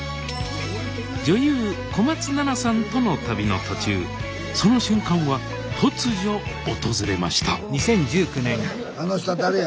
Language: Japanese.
女優小松菜奈さんとの旅の途中その瞬間は突如訪れました